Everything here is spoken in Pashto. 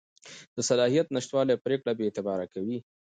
د صلاحیت نشتوالی پرېکړه بېاعتباره کوي.